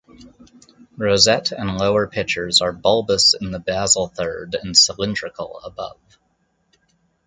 Rosette and lower pitchers are bulbous in the basal third and cylindrical above.